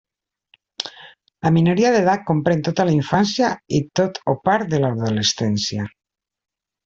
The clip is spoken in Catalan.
La minoria d'edat comprèn tota la infància i tot o part de l'adolescència.